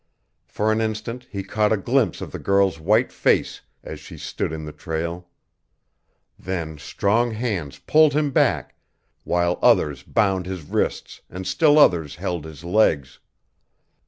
For an instant he caught a glimpse of the girl's white face as she stood in the trail; then strong hands pulled him back, while others bound his wrists and still others held his legs.